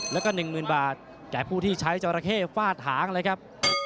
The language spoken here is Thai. แล้วก็หนึ่งหมื่นบาทแก่ผู้ที่ใช้เจ้าระเข้ฟาดหางเลยครับ